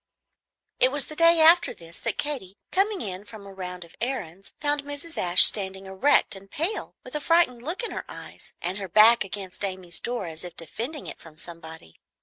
It was the day after this that Katy, coming in from a round of errands, found Mrs. Ashe standing erect and pale, with a frightened look in her eyes, and her back against Amy's door, as if defending it from somebody.